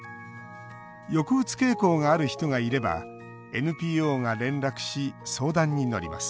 抑うつ傾向がある人がいればＮＰＯが連絡し、相談に乗ります。